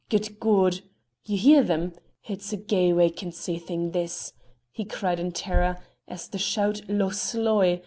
Good God! do you hear them? It's a gey wanchancy thing this!" he cried in terror, as the shout "Loch Sloy!"